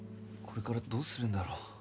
これからどうするんだろう？